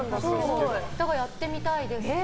だからやってみたいです。